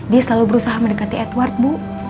dia selalu berusaha mendekati edward bu